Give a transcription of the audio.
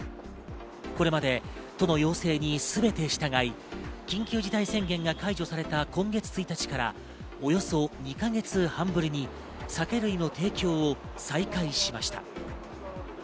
これまで都の要請に全て従い緊急事態宣言が解除された今月１日からおよそ２か月半ぶりに酒類の提供を再開しました。